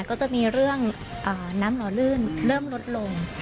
ก็จะมีเรื่องน้ำหล่อลื่นเริ่มลดลง